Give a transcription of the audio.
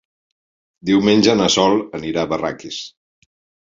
Diumenge na Sol anirà a Barraques.